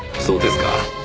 そうですか。